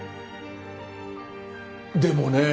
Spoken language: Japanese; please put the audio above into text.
でもねえ。